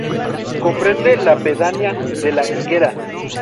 Comprende la pedanía de La Higuera.